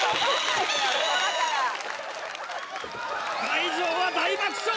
会場は大爆笑！